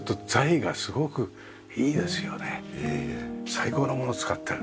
最高のものを使ってる。